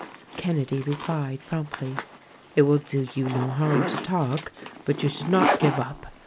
Kenedy replied promptly, "It will do you no harm to talk, but you should not give up.